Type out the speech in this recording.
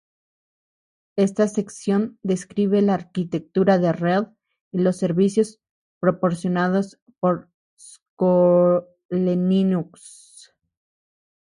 Esta sección describe la arquitectura de red y los servicios proporcionados por Skolelinux.